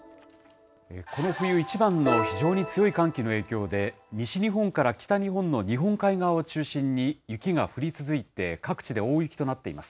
この冬一番の非常に強い寒気の影響で、西日本から北日本の日本海側を中心に、雪が降り続いて、各地で大雪となっています。